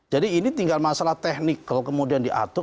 jadi ini tinggal masalah teknik kalau kemudian diatur